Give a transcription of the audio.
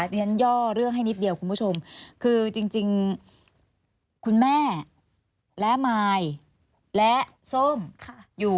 และส้มอยู่นนทบุรีถูกไหมคะ